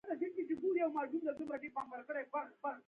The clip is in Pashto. د اندازه کوونکي شخص په لید کې شک او نور عوامل تېروتنه جوړوي.